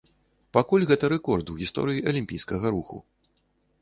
Пакуль гэта рэкорд у гісторыі алімпійскага руху.